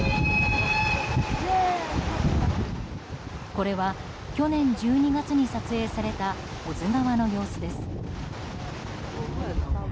これは去年１２月に撮影された保津川の様子です。